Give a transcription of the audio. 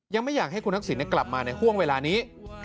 ยังไม่อยากให้คุณทักษิณกลับมาในห่วงเวลานี้